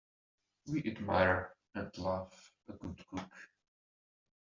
We admire and love a good cook.